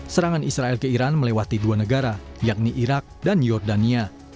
serangan israel ke iran melewati dua negara yakni irak dan jordania